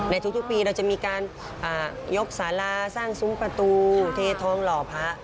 ในทุกปีเราจะมีการยกสาราสร้างซุ้มประตูเททองหล่อพระ